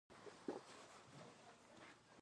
ښوروا له پيازو سره ښه بوی لري.